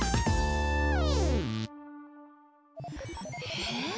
え？